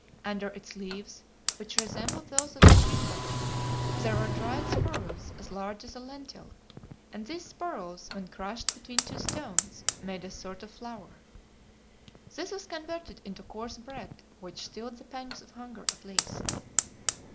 Under its leaves, which resembled those of the trefoil, there were dried sporules as large as a lentil, and these sporules, when crushed between two stones, made a sort of flour. This was converted into coarse bread, which stilled the pangs of hunger at least.